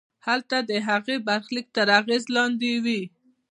هلته د هغه برخلیک تر اغېز لاندې وي.